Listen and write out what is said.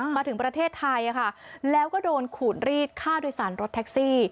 มาถึงประเทศไทยค่ะแล้วก็โดนขูดรีดค่าโดยสารรถแท็กซี่